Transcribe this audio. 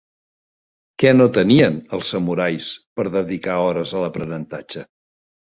Què no tenien els samurais per dedicar hores a l'aprenentatge?